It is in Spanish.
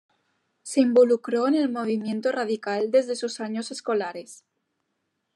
Se involucró en el movimiento radical desde sus años escolares.